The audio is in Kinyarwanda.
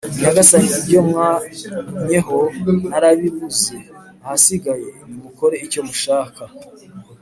Nyagasani ibyo mwantumyeho narabibuze, ahasigaye nimukore icyo mushaka.